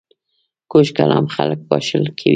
کوږ کلام خلک پاشل کوي